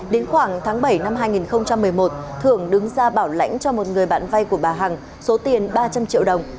đến khoảng tháng bảy năm hai nghìn một mươi một thượng đứng ra bảo lãnh cho một người bạn vay của bà hằng số tiền ba trăm linh triệu đồng